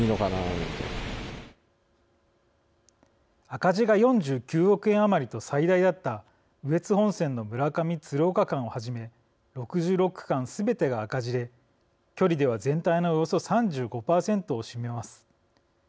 赤字が４９億円余りと最大だった羽越本線の村上−鶴岡間をはじめ６６区間すべてが赤字で距離では全体のおよそ３５％を占めます。